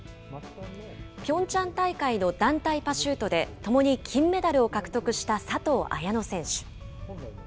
ピョンチャン大会の団体パシュートで、ともに金メダルを獲得した佐藤綾乃選手。